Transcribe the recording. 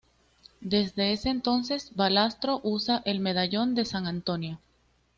Desde ese entonces, Valastro usa el medallón de San Antonio.